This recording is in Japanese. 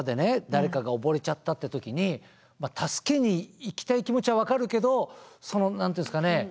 誰かが溺れちゃったって時にまあ助けに行きたい気持ちは分かるけどその何て言うんですかね